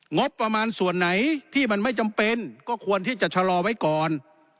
งบประมาณส่วนไหนที่มันไม่จำเป็นก็ควรที่จะชะลอไว้ก่อน